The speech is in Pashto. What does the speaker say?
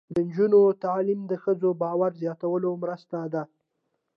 د نجونو تعلیم د ښځو باور زیاتولو مرسته ده.